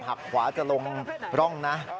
หักขวาจะลงร่องนะ